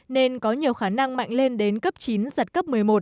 nên có nhiều khả năng mạnh lên đến cấp chín giật cấp một mươi một